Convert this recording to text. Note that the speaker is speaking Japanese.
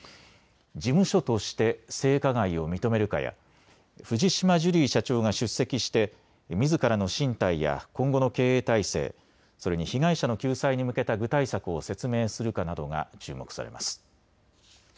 事務所として性加害を認めるかや藤島ジュリー社長が出席してみずからの進退や今後の経営体制、それに被害者の救済に向けた具体策を説明するかなどが注目されます。